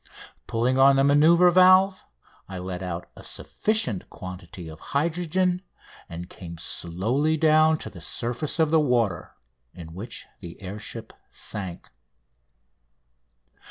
Pulling on the manoeuvre valve I let out a sufficient quantity of hydrogen and came slowly down to the surface of the water, in which the air ship sank.